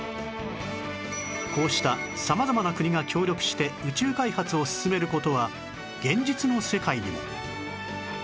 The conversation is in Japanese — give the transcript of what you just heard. こうした様々な国が協力して宇宙開発を進める事は現実の世界にも